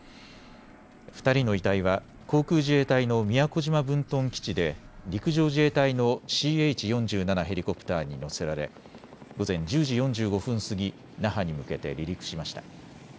２人の遺体は航空自衛隊の宮古島分屯基地で陸上自衛隊のＣＨ４７ヘリコプターに乗せられ午前１０時４５分過ぎ那覇に向けて離陸しました。